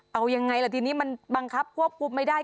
เอายังไงล่ะทีนี้มันบังคับควบคุมไม่ได้